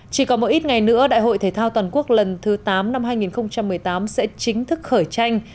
chỉ còn một ít ngày nữa đại hội thể thao toàn quốc lần thứ tám năm hai nghìn một mươi tám sẽ chính thức khởi tranh